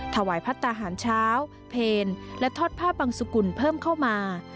ถวายพัฒนาหารเช้าเพลและทอดผ้าบังสุกุลเพิ่มเข้ามา